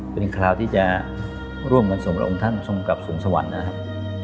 เป็นคราวที่จะร่วมกันส่งพระองค์ท่านทรงกลับสู่สวรรค์นะครับ